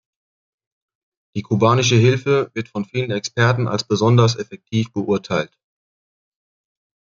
Die kubanische Hilfe wird von vielen Experten als besonders effektiv beurteilt.